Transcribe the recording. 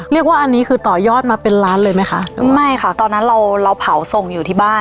เรียกว่าอันนี้คือต่อยอดมาเป็นล้านเลยไหมคะไม่ค่ะตอนนั้นเราเราเผาส่งอยู่ที่บ้าน